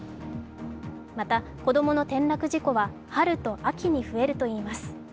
また、子供の転落事故は春と秋に増えるといいます。